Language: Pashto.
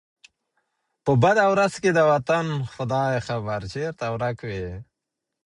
په بده ورځ کي د وطن ، خداى خبر ، چرته ورک وې